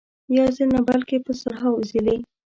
یو ځل نه بلکې په سلهاوو ځله.